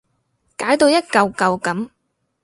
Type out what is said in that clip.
解到一舊舊噉